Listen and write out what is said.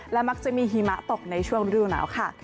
และมักจะมีหิมะตกในช่วงฤดูหนาวค่ะ